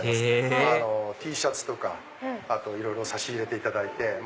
へぇＴシャツとかいろいろ差し入れていただいて。